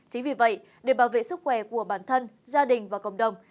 chính vì vậy để bảo vệ sức khỏe của bản thân gia đình và cộng đồng